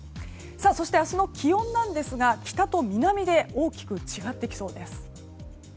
そして、明日の気温ですが北と南で大きく違ってきそうです。